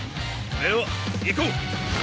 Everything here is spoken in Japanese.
では行こう。